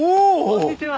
こんにちは。